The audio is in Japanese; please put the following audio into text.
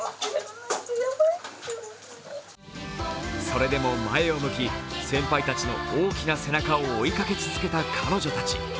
それでも前を向き先輩たちの大きな背中を追いかけ続けた彼女たち。